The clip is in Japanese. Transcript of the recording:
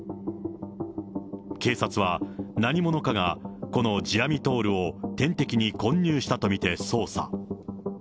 警察は、何者かがこのヂアミトールを点滴に混入したと見て捜査。